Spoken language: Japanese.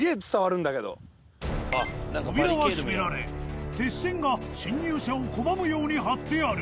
扉は閉められ鉄線が侵入者を拒むように張ってある。